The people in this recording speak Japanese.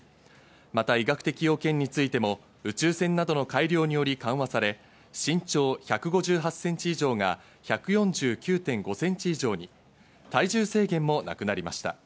また医学的要件についても宇宙船などの改良により緩和され、身長１５８ｃｍ以上が１４９．５ｃｍ以上に、体重制限もなくなりました。